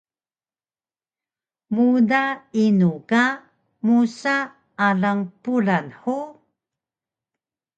Muda inu ka musa alang Pulan hug?